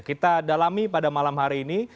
kita dalami pada malam hari ini